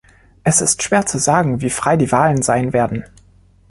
Es ist schwer zu sagen, wie frei die Wahlen sein werden.